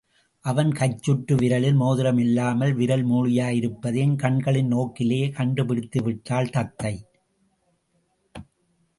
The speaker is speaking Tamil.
அவன் கைச்சுட்டுவிரலில் மோதிரம் இல்லாமல் விரல் மூளியாயிருப்பதையும் கண்களின் நோக்கிலேயே கண்டுபிடித்துவிட்டாள் தத்தை.